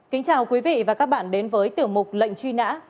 kính chào quý vị và các bạn đến với tiểu mục lệnh truy nã